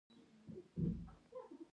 ښه بسته بندي د محصول ښکلا زیاتوي.